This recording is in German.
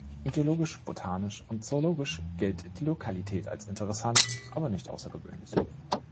Geologisch, botanisch und zoologisch gilt die Lokalität als interessant, aber nicht außergewöhnlich.